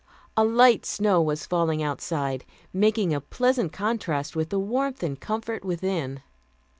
A light snow was falling outside, making a pleasant contrast with the warmth and comfort within.